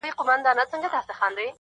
o لكه ژړا.